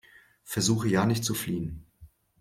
Versuche ja nicht zu fliehen!